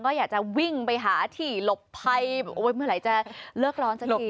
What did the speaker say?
ก็อยากจะวิ่งไปหาที่หลบภัยเมื่อไหร่จะเลิกร้อนสักที